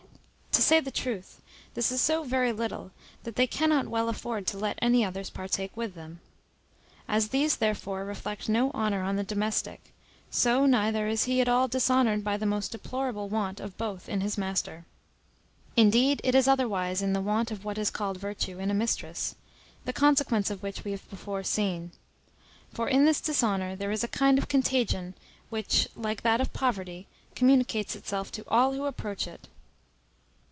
To say the truth, this is so very little, that they cannot well afford to let any others partake with them. As these therefore reflect no honour on the domestic, so neither is he at all dishonoured by the most deplorable want of both in his master. Indeed it is otherwise in the want of what is called virtue in a mistress, the consequence of which we have before seen: for in this dishonour there is a kind of contagion, which, like that of poverty, communicates itself to all who approach it.